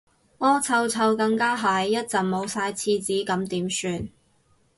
屙臭臭更加係，一陣冇晒廁紙咁點算